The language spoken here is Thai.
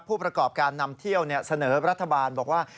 ผู้ประกอบการนำเที่ยวเสนอรัฐบาลบอกว่า